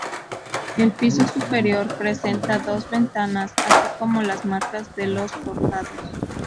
El piso superior presenta dos ventanas así como las marcas de los forjados.